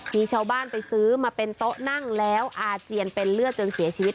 มีชาวบ้านไปซื้อมาเป็นโต๊ะนั่งแล้วอาเจียนเป็นเลือดจนเสียชีวิต